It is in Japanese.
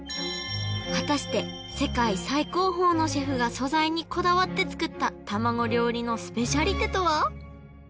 果たして世界最高峰のシェフが素材にこだわって作った卵料理のスペシャリテとは？